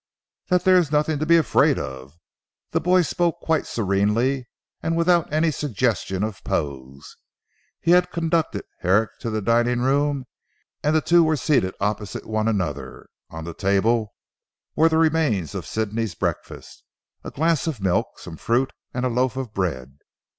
"That there is nothing to be afraid of." The boy spoke quite serenely and without any suggestion of pose. He had conducted Herrick to the dining room and the two were seated opposite one another. On the table were the remains of Sidney's breakfast, a glass of milk, some fruit and a loaf of bread.